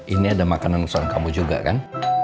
ini ada makanan soal kamu juga kan